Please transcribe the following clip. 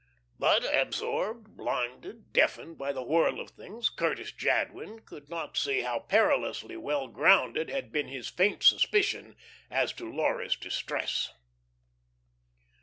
But absorbed, blinded, deafened by the whirl of things, Curtis Jadwin could not see how perilously well grounded had been his faint suspicion as to Laura's distress.